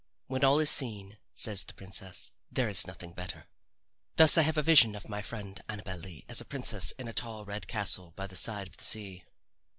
When all is seen, says the princess, there is nothing better. Thus I have a vision of my friend Annabel Lee as a princess in a tall, red castle by the side of the sea.